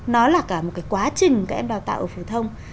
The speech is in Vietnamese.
nó là cả một cái quá trình các em đào tạo ở phổ thông